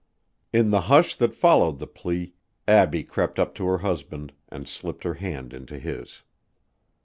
In the hush that followed the plea, Abbie crept up to her husband and slipped her hand into his.